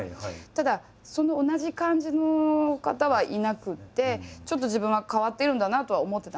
ただその同じ漢字の方はいなくてちょっと自分は変わってるんだなとは思ってたんですね。